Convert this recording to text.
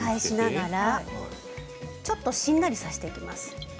時々返しながらちょっとしんなりさせていきます。